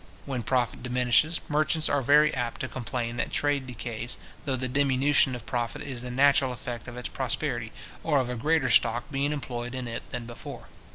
When profit diminishes, merchants are very apt to complain that trade decays, though the diminution of profit is the natural effect of its prosperity, or of a greater stock being employed in it than before.